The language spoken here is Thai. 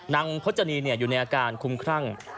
นางโภชนีธรณีอยู่ในอาการคุ้มครั้ง